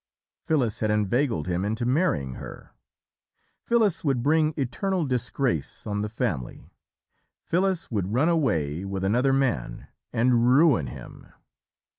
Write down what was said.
"Phyllis had inveigled him into marrying her; Phyllis would bring eternal disgrace on the family; Phyllis would run away with another man and ruin him.